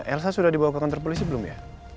elsa sudah dibawa ke kantor polisi belum ya